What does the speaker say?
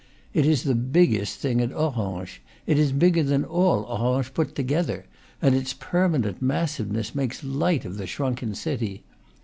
It is the biggest thing at Orange, it is bigger than all Orange put to gether, and its permanent massiveness makes light of the shrunken city.